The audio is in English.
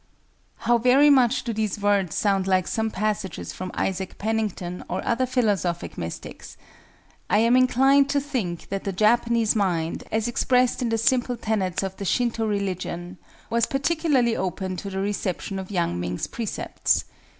How very much do these words sound like some passages from Isaac Pennington or other philosophic mystics! I am inclined to think that the Japanese mind, as expressed in the simple tenets of the Shinto religion, was particularly open to the reception of Yang Ming's precepts.